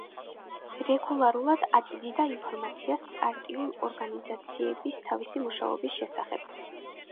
რეგულარულად აწვდიდა ინფორმაციას პარტიულ ორგანიზაციებს თავისი მუშაობის შესახებ.